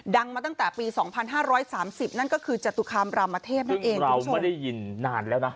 มาตั้งแต่ปีสองพันห้าร้อยสามสิบนั่นก็คือจตุคามรามเทพนั่นเองเราไม่ได้ยินนานแล้วนะ